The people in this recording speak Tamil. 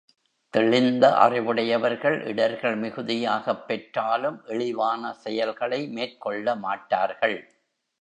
தெளிந்த அறிவுடையவர்கள் இடர்கள் மிகுதியாகப் பெற்றாலும் இழிவான செயல்களை மேற்கொள்ள மாட்டார்கள்.